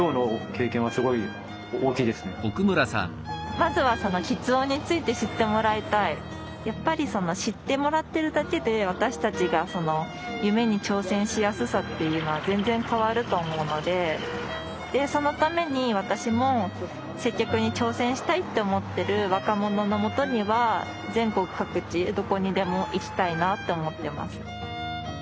まずはやっぱり知ってもらってるだけで私たちがその夢に挑戦しやすさっていうのは全然変わると思うのでそのために私も接客に挑戦したいって思ってる若者のもとには全国各地どこにでも行きたいなって思ってます。